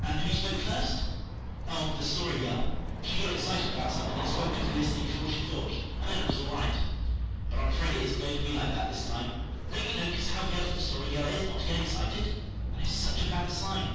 "And who spoke first?" "Oh, the Story Girl. She got excited about something and spoke to Felicity before she thought, and then it was all right. But I'm afraid it isn't going to be like that this time. Don't you notice how careful the Story Girl is not to get excited? That is such a bad sign."